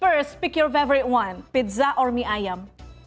pertama pilih satu satunya pizza atau mie ayam